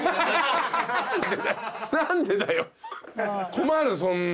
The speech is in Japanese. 困るそんな。